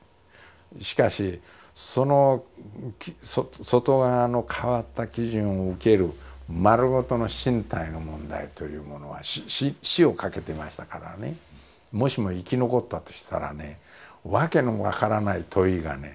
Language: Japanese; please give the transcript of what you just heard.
しかしその外側の変わった基準を受ける丸ごとの身体の問題というものは死をかけてましたからねもしも生き残ったとしたらね訳の分からない問いがね